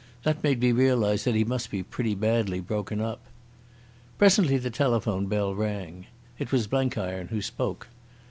That made me realise that he must be pretty badly broken up. Presently the telephone bell rang. It was Blenkiron who spoke.